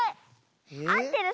あってる。